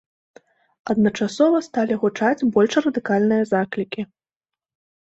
Адначасова сталі гучаць больш радыкальныя заклікі.